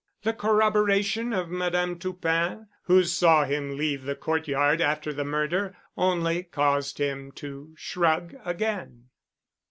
The corroboration of Madame Toupin who saw him leave the courtyard after the murder only caused him to shrug again.